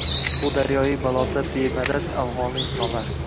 Bu daryoi baloda bemadad afgʻonli insonlar